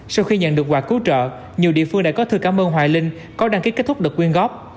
sau khi nhận được quà cứu trợ nhiều địa phương đã có thư cảm ơn hoài linh có đăng ký kết thúc đợt quyên góp